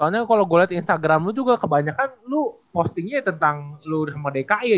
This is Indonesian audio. soalnya kalau gue liat instagram lu juga kebanyakan lu postingnya tentang lu sama dki